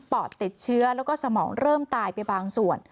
อดติดเชื้อแล้วก็สมองเริ่มตายไปบางส่วน